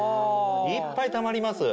いっぱいたまります。